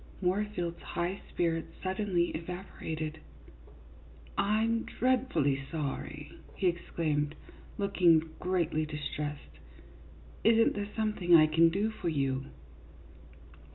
Moorfield's high spirits suddenly evaporated. "I'm dreadfully sorry," he exclaimed, looking greatly distressed. " Is n't there something I can do for you